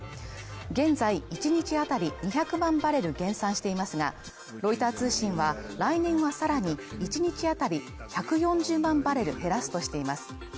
現在１日あたり２００万バレル減産していますが、ロイター通信は来年はさらに１日当たり１４０万バレル減らすとしています。